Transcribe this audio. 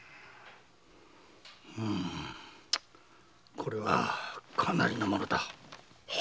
これはかなりのものだ。